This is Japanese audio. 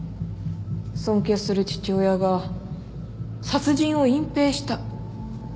尊敬する父親が殺人を隠蔽した。